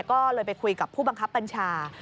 ก็เลยไปคุยกับผู้บังคับบัญชา